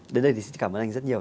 đến đây thì cảm ơn anh rất nhiều